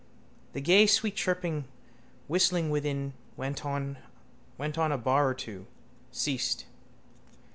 _ The gay sweet chirping whistling within went on a bar or two, ceased.